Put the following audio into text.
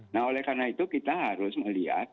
nah oleh karena itu kita harus melihat